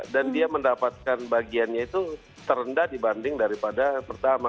dia mendapatkan bagiannya itu terendah dibanding daripada pertama